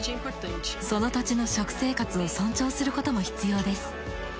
その土地の食生活を尊重することも必要です。